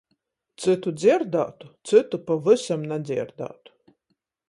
Cytu dzierdātu, cytu — pavysam nadzierdātu.